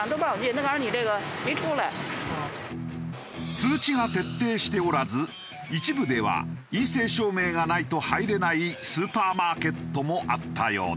通知が徹底しておらず一部では陰性証明がないと入れないスーパーマーケットもあったようだ。